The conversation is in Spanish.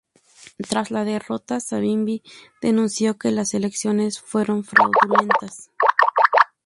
Tras la derrota, Savimbi denunció que las elecciones fueron fraudulentas.